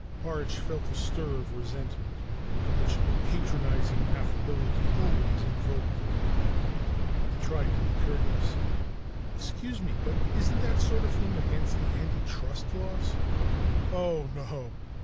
Arch felt the stir of resentment which patronizing affability always evoked in him. He tried to be courteous: "Excuse me, but isn't that sort of thing against the anti trust laws?" "Oh, no!"